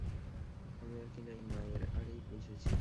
আমি আর কিনাই মায়ের আগেই পোঁছেছি।